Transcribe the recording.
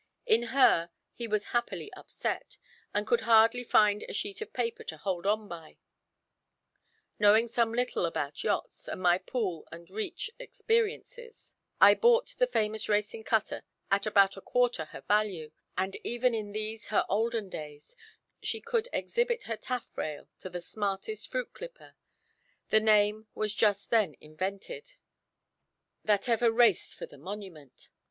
In her he was happily upset, and could hardly find a sheet of paper to hold on by. Knowing some little about yachts, from my pool and reach experiences, I bought the famous racing cutter at about a quarter her value; and even in these, her olden days, she could exhibit her taffrail to the smartest fruit clipper the name was then just invented that ever raced for the Monument.